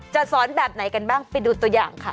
สอนแบบไหนกันบ้างไปดูตัวอย่างค่ะ